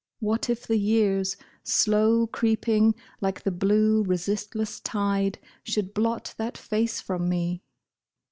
What if the years, slow creeping like the blue, Resistless tide, should blot that face from me